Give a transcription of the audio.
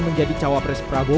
menjadi cawapres prabowo